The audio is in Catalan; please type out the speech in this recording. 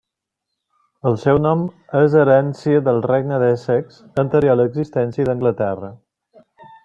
El seu nom és herència del Regne d'Essex, anterior a l'existència d'Anglaterra.